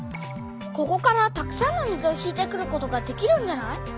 ここからたくさんの水を引いてくることができるんじゃない？